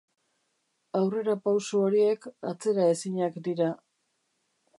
Aurrerapauso horiek atzeraezinak dira.